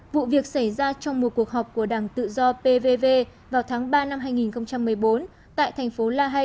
vụ việc xảy ra trong một cuộc họp của đảng tự do pv vào tháng ba năm hai nghìn một mươi bốn tại thành phố lahail